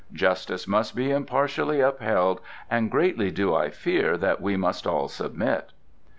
Justice must be impartially upheld and greatly do I fear that we must all submit."